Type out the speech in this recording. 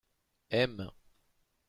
Aime.